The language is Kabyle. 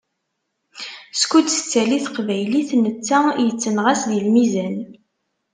Skud tettali teqbaylit, netta yettenɣaṣ di lmizan.